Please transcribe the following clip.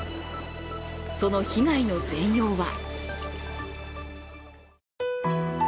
その被害の全容は。